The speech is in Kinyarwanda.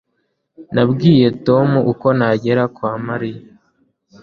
Nabwiye Tom uko nagera kwa Mariya